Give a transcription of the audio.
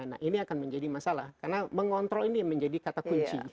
nah ini akan menjadi masalah karena mengontrol ini menjadi kata kunci